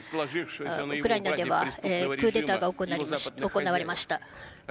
ウクライナではクーデターが行われました。